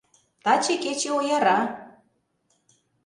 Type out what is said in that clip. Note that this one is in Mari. Таче кече ояра.